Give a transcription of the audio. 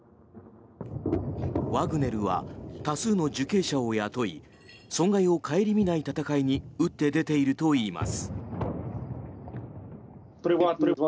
ワグネルは多数の受刑者を雇い損害を顧みない戦いに打って出ているといいます。